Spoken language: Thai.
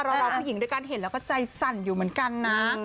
เราผู้หญิงด้วยกันเห็นแล้วก็ใจสั่นอยู่เหมือนกันนะ